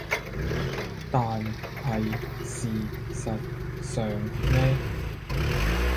但是事實上呢